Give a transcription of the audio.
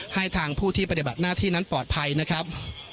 ให้ทางผู้ที่ปฏิบัติหน้าที่นั้นปลอดภัยนะครับ